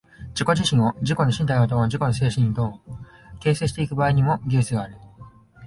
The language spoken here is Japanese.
自己自身を、自己の身体をも自己の精神をも、形成してゆく場合にも、技術がある。